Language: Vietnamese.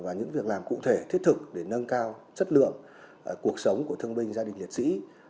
và những việc làm cụ thể thiết thực để nâng cao chất lượng cuộc sống của thương binh gia đình liệt sĩ